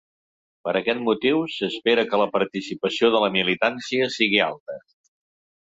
Per aquest motiu, s’espera que la participació de la militància sigui alta.